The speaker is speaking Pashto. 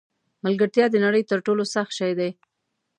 ملګرتیا د نړۍ تر ټولو سخت شی دی.